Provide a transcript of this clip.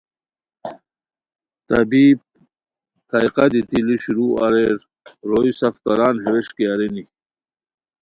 طبیب تھائقہ دیتی ُ لو شروع اریر روئے سف کاران ہے ووݰکی ارینی